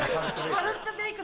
カルッテベイク。